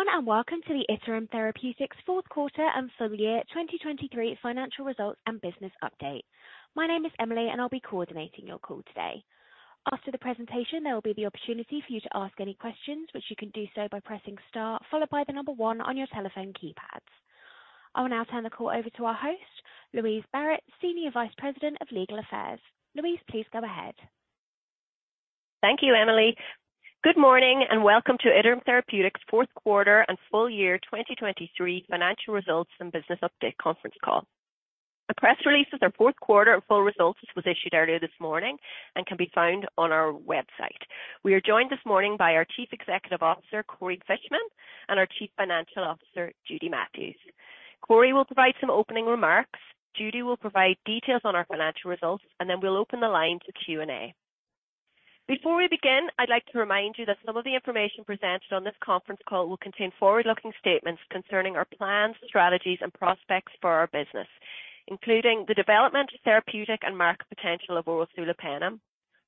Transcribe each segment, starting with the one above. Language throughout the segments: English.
Hello everyone and welcome to the Iterum Therapeutics fourth quarter and full year 2023 financial results and business update. My name is Emily and I'll be coordinating your call today. After the presentation there will be the opportunity for you to ask any questions, which you can do so by pressing star followed by the number one on your telephone keypads. I will now turn the call over to our host, Louise Barrett, Senior Vice President of Legal Affairs. Louise, please go ahead. Thank you, Emily. Good morning and welcome to Iterum Therapeutics fourth quarter and full year 2023 financial results and business update conference call. A press release for our fourth quarter and full results was issued earlier this morning and can be found on our website. We are joined this morning by our Chief Executive Officer, Corey Fishman, and our Chief Financial Officer, Judith Matthews. Corey will provide some opening remarks, Judith will provide details on our financial results, and then we'll open the line to Q&A. Before we begin, I'd like to remind you that some of the information presented on this conference call will contain forward-looking statements concerning our plans, strategies, and prospects for our business, including the development, therapeutic, and market potential of oral sulopenem,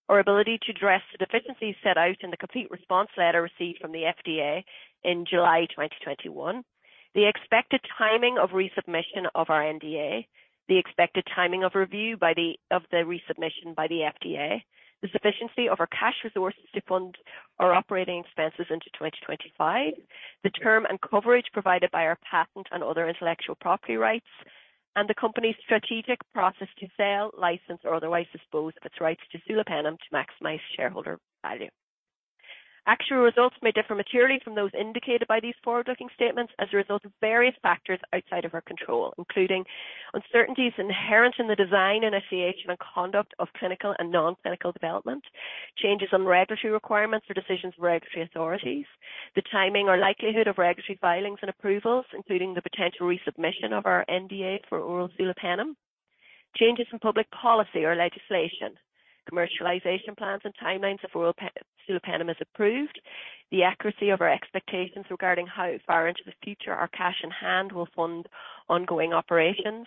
our ability to address the deficiencies set out in the Complete Response Letter received from the FDA in July 2021, the expected timing of resubmission of our NDA, the expected timing of review by the FDA of the resubmission by the FDA, the sufficiency of our cash resources to fund our operating expenses into 2025, the term and coverage provided by our patent and other intellectual property rights, and the company's strategic process to sell, license, or otherwise dispose of its rights to sulopenem to maximize shareholder value. Actual results may differ materially from those indicated by these forward-looking statements as a result of various factors outside of our control, including uncertainties inherent in the design, initiation, and conduct of clinical and non-clinical development, changes in regulatory requirements or decisions of regulatory authorities, the timing or likelihood of regulatory filings and approvals including the potential resubmission of our NDA for oral sulopenem, changes in public policy or legislation, commercialization plans and timelines if oral sulopenem is approved, the accuracy of our expectations regarding how far into the future our cash in hand will fund ongoing operations,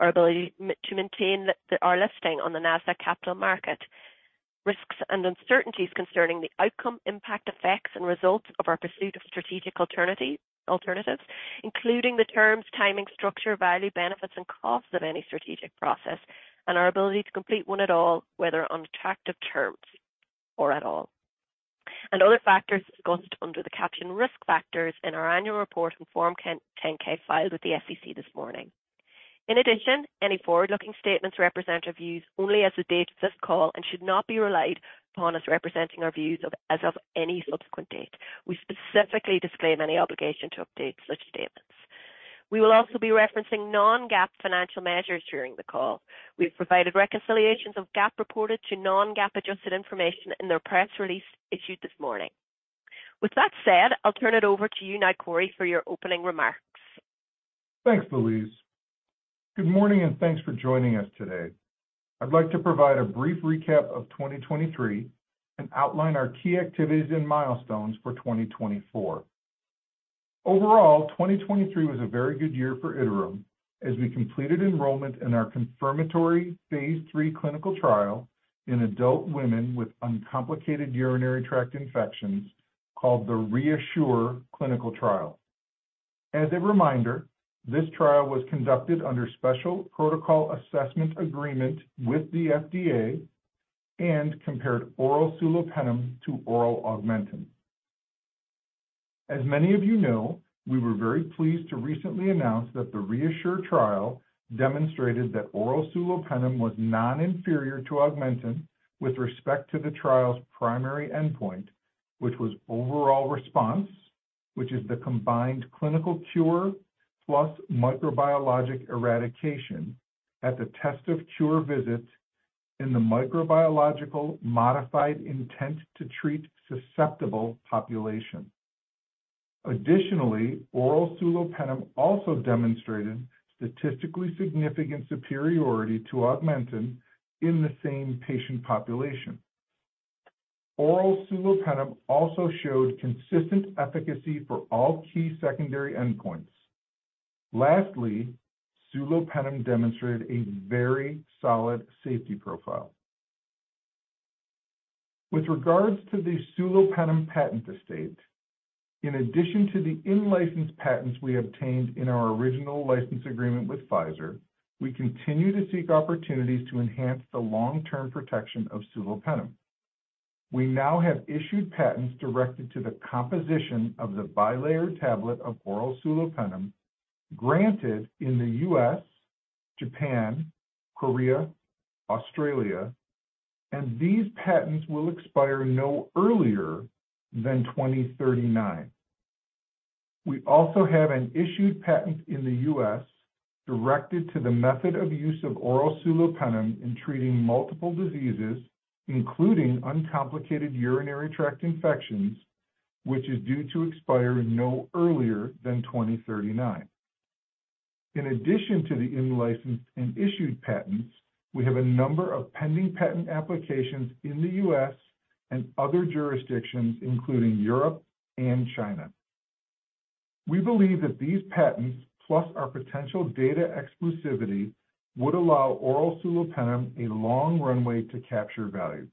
our ability to maintain the our listing on the Nasdaq Capital Market, risks and uncertainties concerning the outcome, impact, effects, and results of our pursuit of strategic alternatives, including the terms, timing, structure, value, benefits, and costs of any strategic process, and our ability to complete one at all whether on attractive terms or at all. Other factors discussed under the caption Risk Factors in our annual report and Form 10-K filed with the SEC this morning. In addition, any forward-looking statements represent our views only as of the date of this call and should not be relied upon as representing our views as of any subsequent date. We specifically disclaim any obligation to update such statements. We will also be referencing Non-GAAP financial measures during the call. We've provided reconciliations of GAAP-reported to Non-GAAP adjusted information in their press release issued this morning. With that said, I'll turn it over to you now, Corey, for your opening remarks. Thanks, Louise. Good morning and thanks for joining us today. I'd like to provide a brief recap of 2023 and outline our key activities and milestones for 2024. Overall, 2023 was a very good year for Iterum as we completed enrollment in our confirmatory phase 3 clinical trial in adult women with uncomplicated urinary tract infections called the REASSURE clinical trial. As a reminder, this trial was conducted under special protocol assessment agreement with the FDA and compared oral sulopenem to oral Augmentin. As many of you know, we were very pleased to recently announce that the REASSURE trial demonstrated that oral sulopenem was non-inferior to Augmentin with respect to the trial's primary endpoint, which was overall response, which is the combined clinical cure plus microbiologic eradication at the test of cure visit in the microbiological modified intent-to-treat susceptible population. Additionally, oral sulopenem also demonstrated statistically significant superiority to Augmentin in the same patient population. Oral sulopenem also showed consistent efficacy for all key secondary endpoints. Lastly, sulopenem demonstrated a very solid safety profile. With regards to the sulopenem patent estate, in addition to the in-license patents we obtained in our original license agreement with Pfizer, we continue to seek opportunities to enhance the long-term protection of sulopenem. We now have issued patents directed to the composition of the bilayer tablet of oral sulopenem granted in the U.S., Japan, Korea, Australia, and these patents will expire no earlier than 2039. We also have an issued patent in the U.S. directed to the method of use of oral sulopenem in treating multiple diseases including uncomplicated urinary tract infections, which is due to expire no earlier than 2039. In addition to the in-license and issued patents, we have a number of pending patent applications in the U.S. and other jurisdictions including Europe and China. We believe that these patents plus our potential data exclusivity would allow oral sulopenem a long runway to capture value.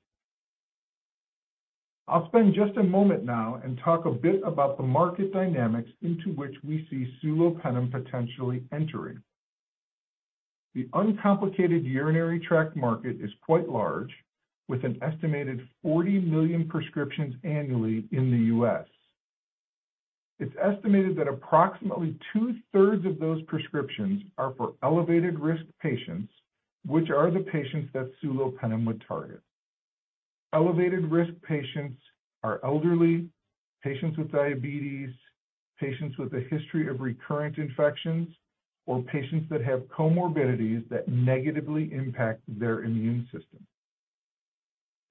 I'll spend just a moment now and talk a bit about the market dynamics into which we see sulopenem potentially entering. The uncomplicated urinary tract market is quite large with an estimated 40 million prescriptions annually in the U.S. It's estimated that approximately two-thirds of those prescriptions are for elevated-risk patients, which are the patients that sulopenem would target. Elevated-risk patients are elderly, patients with diabetes, patients with a history of recurrent infections, or patients that have comorbidities that negatively impact their immune system.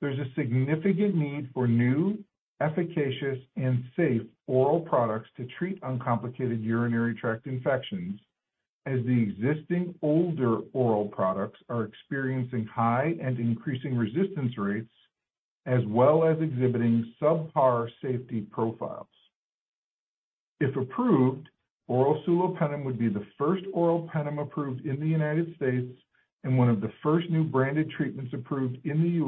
There's a significant need for new, efficacious, and safe oral products to treat uncomplicated urinary tract infections as the existing older oral products are experiencing high and increasing resistance rates as well as exhibiting subpar safety profiles. If approved, oral sulopenem would be the first oral penem approved in the United States and one of the first new branded treatments approved in the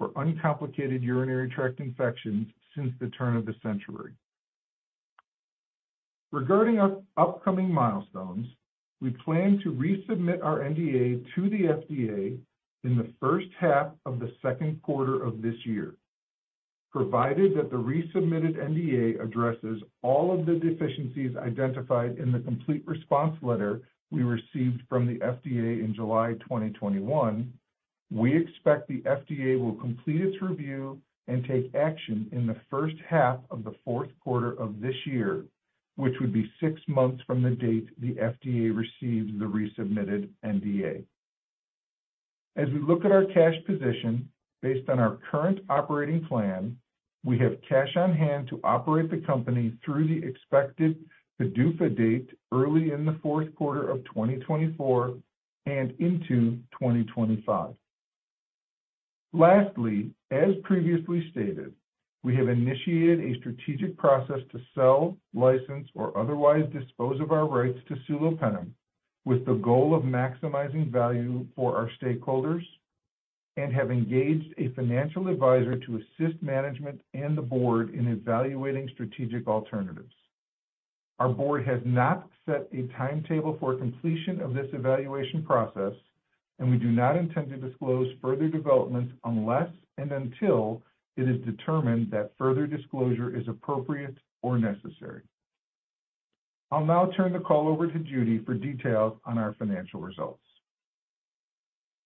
US for uncomplicated urinary tract infections since the turn of the century. Regarding upcoming milestones, we plan to resubmit our NDA to the FDA in the first half of the second quarter of this year. Provided that the resubmitted NDA addresses all of the deficiencies identified in the Complete Response Letter we received from the FDA in July 2021, we expect the FDA will complete its review and take action in the first half of the fourth quarter of this year, which would be six months from the date the FDA received the resubmitted NDA. As we look at our cash position based on our current operating plan, we have cash on hand to operate the company through the expected PDUFA date early in the fourth quarter of 2024 and into 2025. Lastly, as previously stated, we have initiated a strategic process to sell, license, or otherwise dispose of our rights to sulopenem with the goal of maximizing value for our stakeholders and have engaged a financial advisor to assist management and the board in evaluating strategic alternatives. Our board has not set a timetable for completion of this evaluation process, and we do not intend to disclose further developments unless and until it is determined that further disclosure is appropriate or necessary. I'll now turn the call over to Judith for details on our financial results.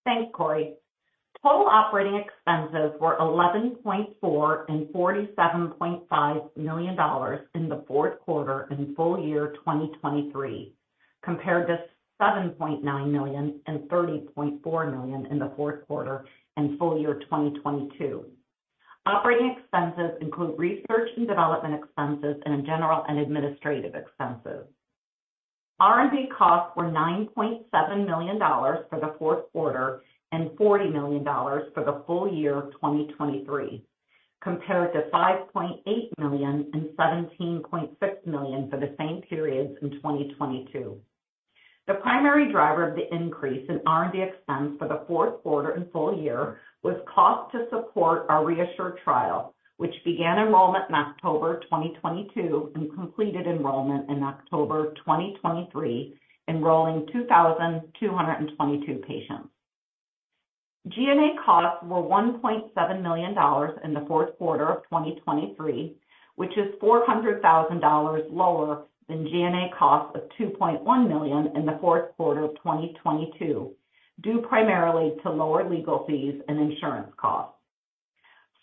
Thanks, Corey. Total operating expenses were $11.4 million and $47.5 million in the fourth quarter and full year 2023 compared to $7.9 million and $30.4 million in the fourth quarter and full year 2022. Operating expenses include research and development expenses and general and administrative expenses. R&D costs were $9.7 million for the fourth quarter and $40 million for the full year 2023 compared to $5.8 million and $17.6 million for the same periods in 2022. The primary driver of the increase in R&D expense for the fourth quarter and full year was cost to support our ReASSURE trial, which began enrollment in October 2022 and completed enrollment in October 2023, enrolling 2,222 patients. G&A costs were $1.7 million in the fourth quarter of 2023, which is $400,000 lower than G&A costs of $2.1 million in the fourth quarter of 2022 due primarily to lower legal fees and insurance costs.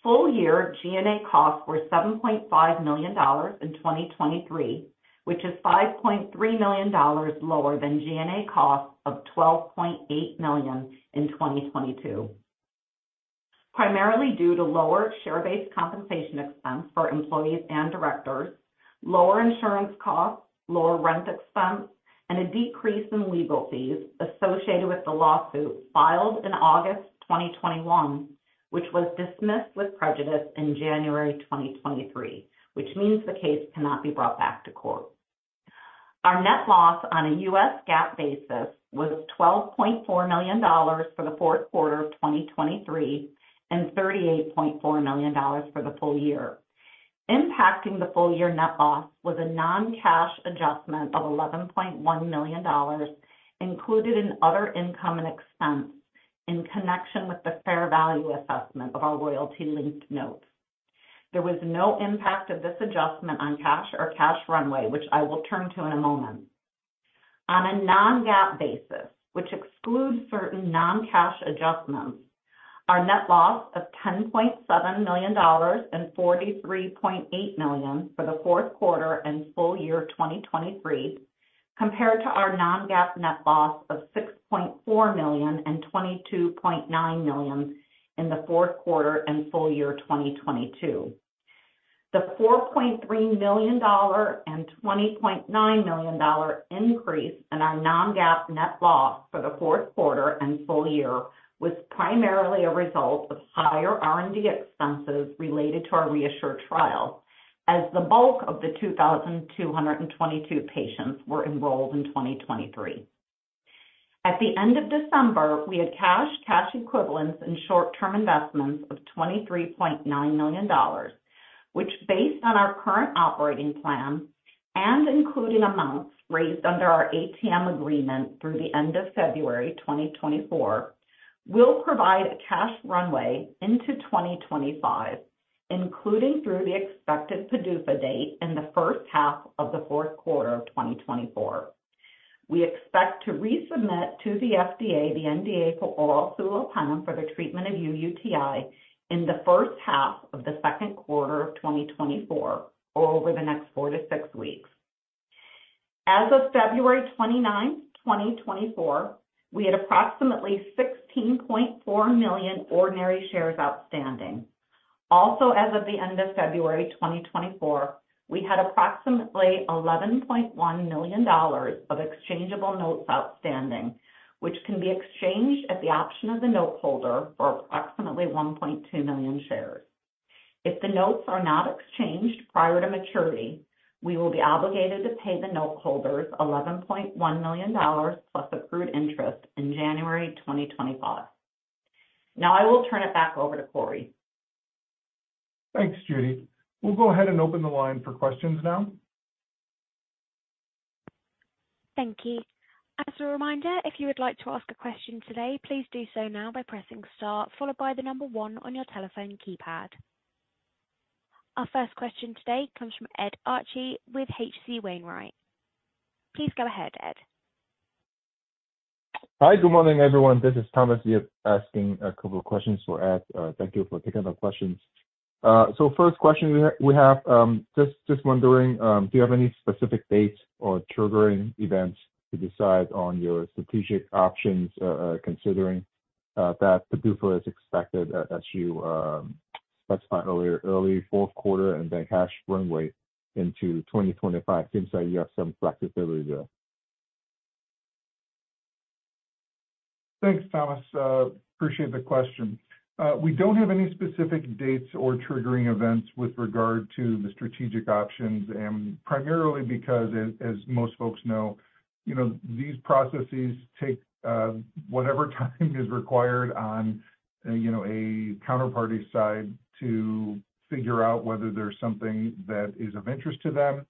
Full-year G&A costs were $7.5 million in 2023, which is $5.3 million lower than G&A costs of $12.8 million in 2022. Primarily due to lower share-based compensation expense for employees and directors, lower insurance costs, lower rent expense, and a decrease in legal fees associated with the lawsuit filed in August 2021, which was dismissed with prejudice in January 2023, which means the case cannot be brought back to court. Our net loss on a U.S. GAAP basis was $12.4 million for the fourth quarter of 2023 and $38.4 million for the full year. Impacting the full year net loss was a non-cash adjustment of $11.1 million included in other income and expense in connection with the fair value assessment of our loyalty-linked notes. There was no impact of this adjustment on cash or cash runway, which I will turn to in a moment. On a Non-GAAP basis, which excludes certain non-cash adjustments, our net loss of $10.7 million and $43.8 million for the fourth quarter and full year 2023 compared to our Non-GAAP net loss of $6.4 million and $22.9 million in the fourth quarter and full year 2022. The $4.3 million and $20.9 million increase in our Non-GAAP net loss for the fourth quarter and full year was primarily a result of higher R&D expenses related to our REASSURE trial as the bulk of the 2,222 patients were enrolled in 2023. At the end of December, we had cash, cash equivalents, and short-term investments of $23.9 million, which based on our current operating plan and including amounts raised under our ATM agreement through the end of February 2024, will provide a cash runway into 2025, including through the expected PDUFA date in the first half of the fourth quarter of 2024. We expect to resubmit to the FDA the NDA for oral sulopenem for the treatment of uUTI in the first half of the second quarter of 2024 or over the next 4-6 weeks. As of February 29th, 2024, we had approximately 16.4 million ordinary shares outstanding. Also as of the end of February 2024, we had approximately $11.1 million of exchangeable notes outstanding, which can be exchanged at the option of the noteholder for approximately 1.2 million shares. If the notes are not exchanged prior to maturity, we will be obligated to pay the noteholders $11.1 million plus accrued interest in January 2025. Now I will turn it back over to Corey. Thanks, Judith. We'll go ahead and open the line for questions now. Thank you. As a reminder, if you would like to ask a question today, please do so now by pressing star followed by 1 on your telephone keypad. Our first question today comes from Ed Arce with H.C. Wainwright. Please go ahead, Ed. Hi, good morning, everyone. This is Thomas asking a couple of questions for Ed. Thank you for picking up the questions. First question we have, just wondering, do you have any specific dates or triggering events to decide on your strategic options considering that PDUFA is expected as you specified earlier, early fourth quarter, and then cash runway into 2025? Seems like you have some flexibility there. Thanks, Thomas. Appreciate the question. We don't have any specific dates or triggering events with regard to the strategic options, primarily because, as most folks know, these processes take whatever time is required on a counterparty side to figure out whether there's something that is of interest to them,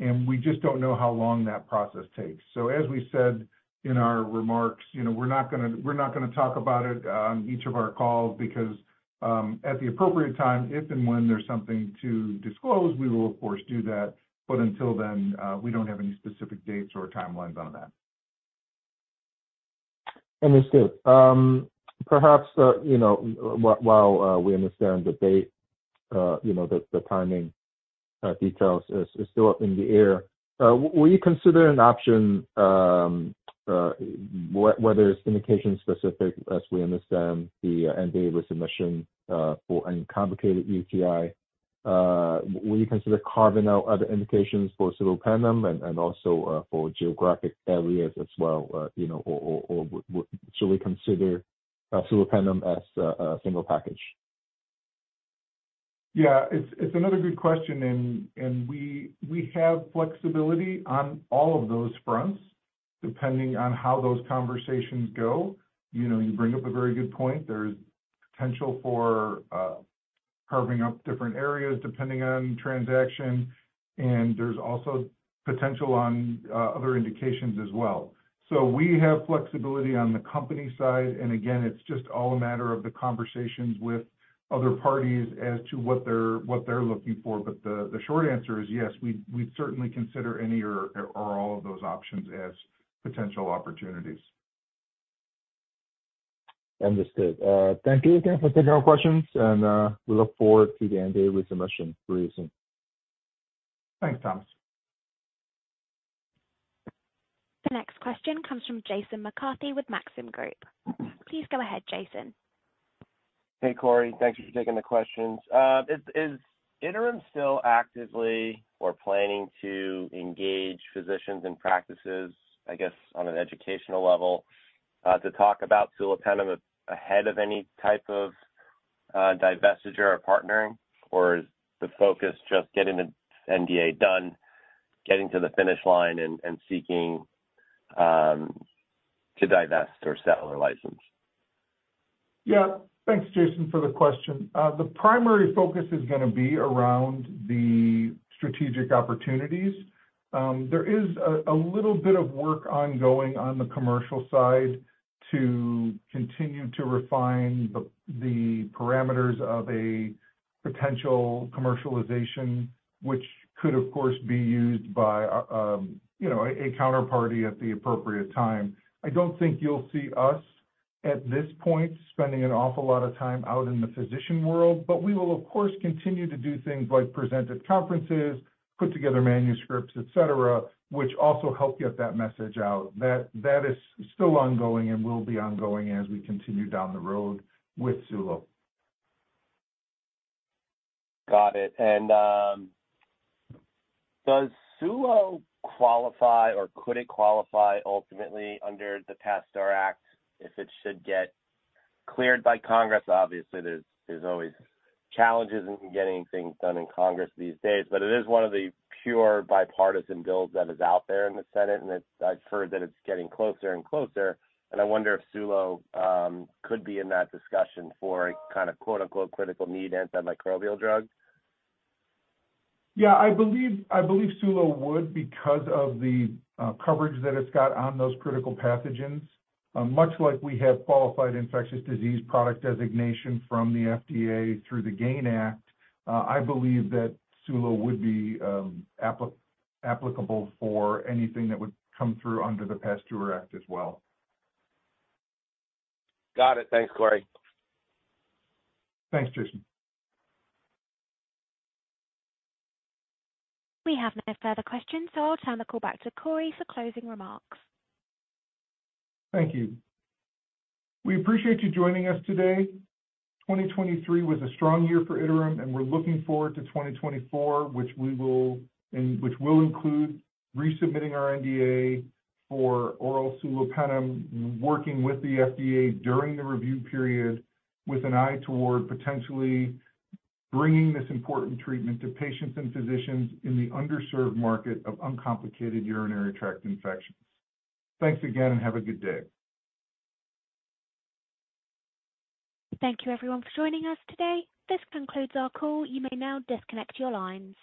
and we just don't know how long that process takes. So as we said in our remarks, we're not going to talk about it on each of our calls because at the appropriate time, if and when there's something to disclose, we will, of course, do that. But until then, we don't have any specific dates or timelines on that. Understood. Perhaps while we understand the date, the timing details are still up in the air. Will you consider an option whether it's indication-specific as we understand the NDA resubmission for uncomplicated uUTI? Will you consider carving out other indications for sulopenem and also for geographic areas as well, or should we consider sulopenem as a single package? Yeah, it's another good question, and we have flexibility on all of those fronts depending on how those conversations go. You bring up a very good point. There's potential for carving up different areas depending on transaction, and there's also potential on other indications as well. So we have flexibility on the company side, and again, it's just all a matter of the conversations with other parties as to what they're looking for. But the short answer is yes, we'd certainly consider any or all of those options as potential opportunities. Understood. Thank you again for taking our questions, and we look forward to the NDA resubmission very soon. Thanks, Thomas. The next question comes from Jason McCarthy with Maxim Group. Please go ahead, Jason. Hey, Corey. Thanks for taking the questions. Is Iterum still actively or planning to engage physicians and practices, I guess, on an educational level to talk about sulopenem ahead of any type of divestiture or partnering, or is the focus just getting the NDA done, getting to the finish line, and seeking to divest or sell or license? Yeah. Thanks, Jason, for the question. The primary focus is going to be around the strategic opportunities. There is a little bit of work ongoing on the commercial side to continue to refine the parameters of a potential commercialization, which could, of course, be used by a counterparty at the appropriate time. I don't think you'll see us at this point spending an awful lot of time out in the physician world, but we will, of course, continue to do things like present at conferences, put together manuscripts, etc., which also help get that message out. That is still ongoing and will be ongoing as we continue down the road with Sulo. Got it. And does Sulo qualify or could it qualify ultimately under the PASTEUR Act if it should get cleared by Congress? Obviously, there's always challenges in getting things done in Congress these days, but it is one of the pure bipartisan bills that is out there in the Senate, and I've heard that it's getting closer and closer. And I wonder if Sulo could be in that discussion for a kind of "critical need" antimicrobial drug? Yeah, I believe Sulo would because of the coverage that it's got on those critical pathogens. Much like we have qualified infectious disease product designation from the FDA through the GAIN Act, I believe that Sulo would be applicable for anything that would come through under the PASTEUR Act as well. Got it. Thanks, Corey. Thanks, Jason. We have no further questions, so I'll turn the call back to Corey for closing remarks. Thank you. We appreciate you joining us today. 2023 was a strong year for Iterum, and we're looking forward to 2024, which will include resubmitting our NDA for oral sulopenem, working with the FDA during the review period with an eye toward potentially bringing this important treatment to patients and physicians in the underserved market of uncomplicated urinary tract infections. Thanks again and have a good day. Thank you, everyone, for joining us today. This concludes our call. You may now disconnect your lines.